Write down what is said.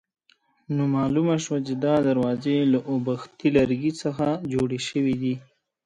نو معلومه شوه چې دا دروازې له اوبښتي لرګي څخه جوړې شوې دي.